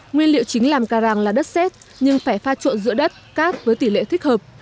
nguyên liệu chính làm ca răng là đất xét nhưng phải pha trộn giữa đất cát với tỷ lệ thích hợp